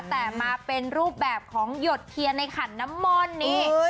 แต่มาเป็นรูปแบบของหยดเทียนในขันน้ำม่อนนี่